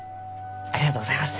ありがとうございます。